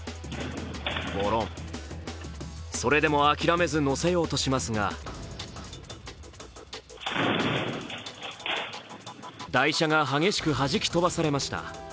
ごろん、それでも諦めず載せようとしますが台車が激しく弾き飛ばされました。